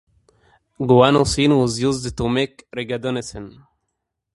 Guanosine was used to make Regadenoson.